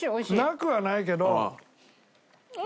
なくはないけど。